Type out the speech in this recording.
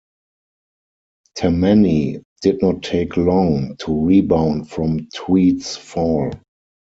Tammany did not take long to rebound from Tweed's fall.